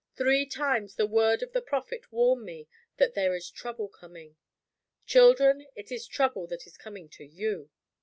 "Three times the words of the prophet warn me that there is trouble coming. Children, it is trouble that is coming to You.